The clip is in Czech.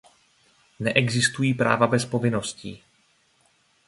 Neexistují práva bez povinností.